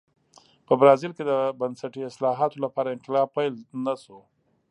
په برازیل کې د بنسټي اصلاحاتو لپاره انقلاب پیل نه شو.